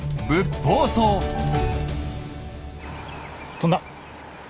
飛んだ。